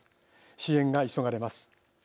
支援が急がれます。